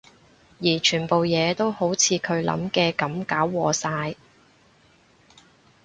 而全部嘢都好似佢諗嘅噉搞禍晒